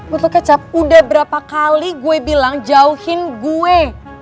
butuh kecap udah berapa kali gue bilang jauhin gue